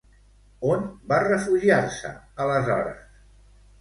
On va refugiar-se, aleshores?